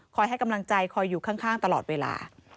ให้กำลังใจคอยอยู่ข้างตลอดเวลา